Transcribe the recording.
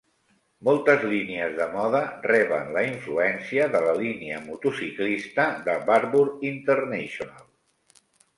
Moltes línies de moda reben la influència de la línia motociclista de "Barbour International".